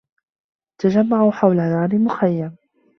تجمّعوا حول نار المخيّم.